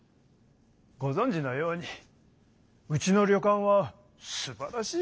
ごぞんじのようにうちの旅館はすばらしい温泉があるんですよ。